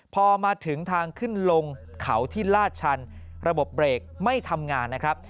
พอมาถึงทางขึ้นลงเขาที่ลาดชันระบบเบรกไม่ทำงานนะครับ